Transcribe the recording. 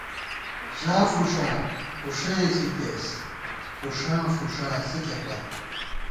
ژا فُوݭاں، فُوݭَئے ݪِتېس، فُوݭاں فُوݭا ݪِکے پت